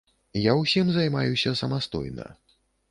Я ўсім займаюся самастойна.